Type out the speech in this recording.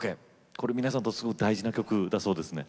これ皆さんにとってすごく大事な曲だそうですね。